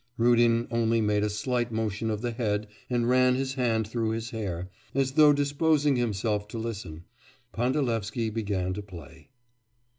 Rudin only made a slight motion of the head and ran his hand through his hair, as though disposing himself to listen. Pandalevsky began to play.